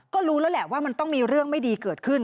ก็รู้แล้วแหละว่ามันต้องมีเรื่องไม่ดีเกิดขึ้น